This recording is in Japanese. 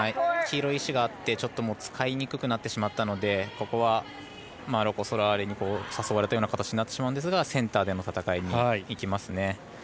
黄色い石があって使いにくくなってしまったのでここはロコ・ソラーレに誘われたような形になってしまうんですがセンターでの戦いにいきますね。